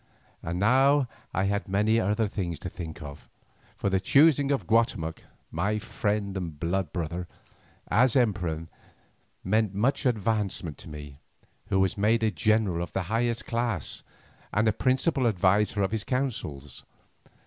And now I had many other things to think of, for the choosing of Guatemoc—my friend and blood brother—as emperor meant much advancement to me, who was made a general of the highest class, and a principal adviser in his councils.